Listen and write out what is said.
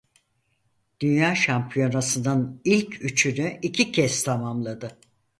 Dünya şampiyonasının ilk üçünü iki kez tamamladı.